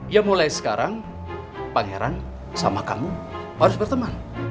ya mulai sekarang pangeran sama kamu harus berteman